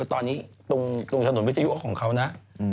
ตรงถนนวิทยายุก็ของเขานะ